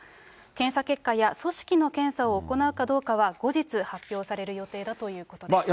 検査結果や組織の検査を行うかどうかは、後日、発表される予定だということです。